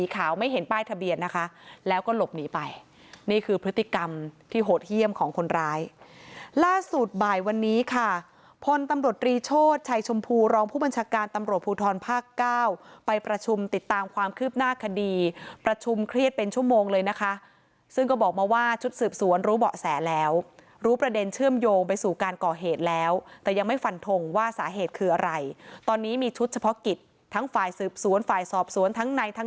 คนตำรวจตรีโชษชายชมพูรองค์ผู้บัญชาการตำรวจภูทรภาค๙ไปประชุมติดตามความคืบหน้าคดีประชุมเครียดเป็นชั่วโมงเลยนะคะซึ่งก็บอกมาว่าชุดสืบสวนรู้เบาะแสแล้วรู้ประเด็นเชื่อมโยงไปสู่การก่อเหตุแล้วแต่ยังไม่ฝันทงว่าสาเหตุคืออะไรตอนนี้มีชุดเฉพาะกิจทั้งฝ่ายสืบสวนฝ่ายสอบสวนทั้งใ